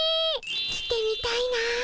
着てみたいな。